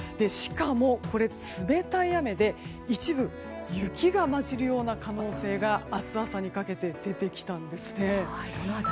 しかも、これ、冷たい雨で一部、雪が交じる可能性が明日朝にかけて出てきたんです。